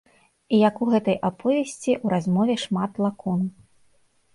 І як у гэтай аповесці, у размове шмат лакун.